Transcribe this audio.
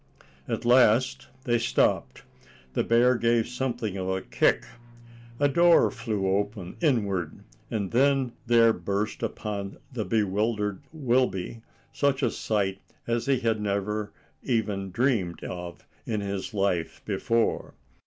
At last they stopped. The bear gave something a kick, a door flew open inward, and then there burst upon the bewildered Wilby such a sight as he had never even dreamed of in his life before.